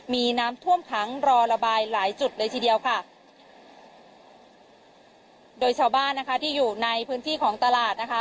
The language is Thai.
มีน้ำท่วมขังรอระบายหลายจุดเลยทีเดียวค่ะโดยชาวบ้านนะคะที่อยู่ในพื้นที่ของตลาดนะคะ